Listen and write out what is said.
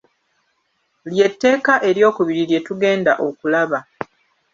Lye tteka ery'okubiri lye tugenda okulaba.